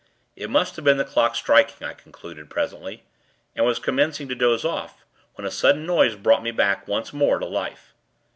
It must have been the clock striking, I concluded, presently; and was commencing to doze off, when a sudden noise brought me back, once more, to life.